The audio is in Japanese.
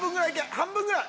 半分ぐらい。